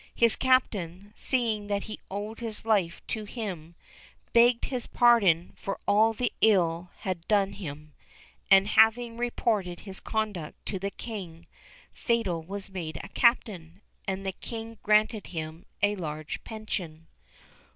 His Captain, seeing that he owed his life to him, begged his pardon for all the ill he had done him; and having reported his conduct to the King, Fatal was made a Captain, and the King granted him a large pension.